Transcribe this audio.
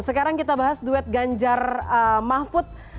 sekarang kita bahas duet ganjar mahfud